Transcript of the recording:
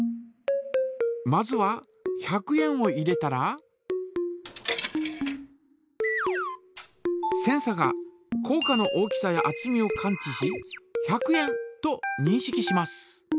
まずは１００円を入れたらセンサがこう貨の大きさやあつみを感知し「１００円」とにんしきします。